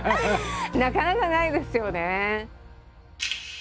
なかなかないですよね。